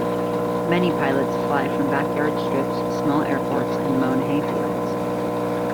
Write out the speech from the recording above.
Many pilots fly from back yard strips, small airports, and mown hay fields.